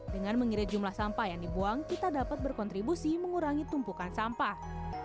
dengan mengirit jumlah sampah yang dibuang kita dapat berkontribusi mengurangi tumpukan sampah